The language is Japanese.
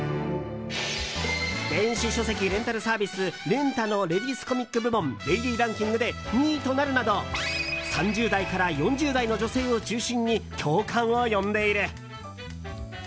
電子書籍レンタルサービスＲｅｎｔａ！のレディースコミック部門デイリーランキングで２位となるなど３０代から４０代の女性を中心に共感を呼んでいる。